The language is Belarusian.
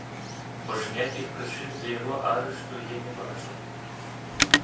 Больш ніякіх прычын для яго арышту я не бачу.